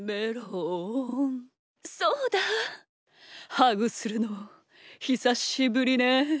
ハグするのひさしぶりね。